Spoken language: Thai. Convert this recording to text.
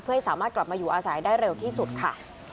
ให้สามารถกลับมาอยู่อาศัยได้เร็วที่สุดค่ะ